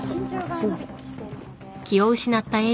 すいません。